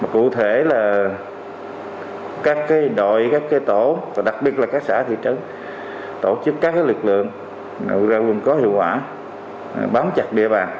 cụ thể là các đội các tổ và đặc biệt là các xã thị trấn tổ chức các lực lượng ra quân có hiệu quả bám chặt địa bàn